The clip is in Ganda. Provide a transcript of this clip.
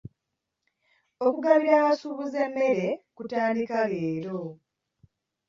Okugabira abasuubuzi emmere kutandika leero.